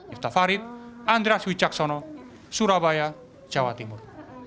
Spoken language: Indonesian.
istafarid andras wicaksono surabaya jawa timur